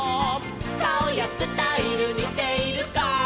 「かおやスタイルにているか」